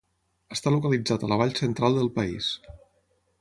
Està localitzat a la Vall Central del país.